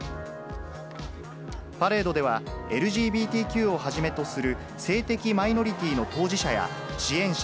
パレードでは、ＬＧＢＴＱをはじめとする性的マイノリティの当事者や支援者